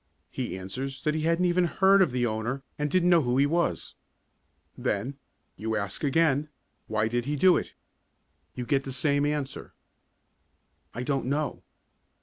He answers that he hadn't even heard of the owner and didn't know who he was. Then you ask again why did he do it? You get the same answer: "I don't know."